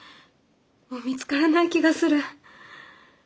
もう見つからない気がする。